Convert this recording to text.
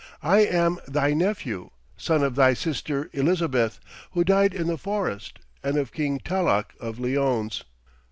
I am thy nephew, son of thy sister Elizabeth, who died in the forest, and of King Talloch of Lyones.'